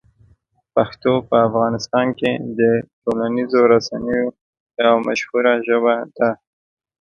پښتو په افغانستان کې د ټولنیزو رسنیو یوه مشهوره ژبه ده.